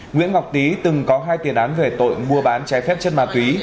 nguyễn ngọc tý từng có hai tiền án về tội mua bán trái phép chất ma túy